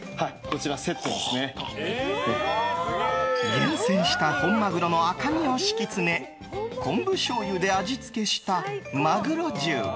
厳選した本マグロの赤身を敷き詰め昆布しょうゆで味付けしたマグロ重。